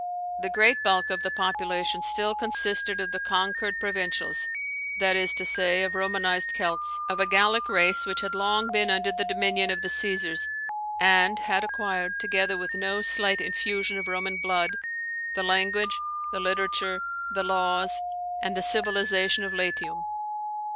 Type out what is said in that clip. The great bulk of the population still consisted of the conquered provincials, that is to say, of Romanized Celts, of a Gallic race which had long been under the dominion of the Caesars, and had acquired, together with no slight infusion of Roman blood, the language, the literature, the laws, and the civilization of Latium.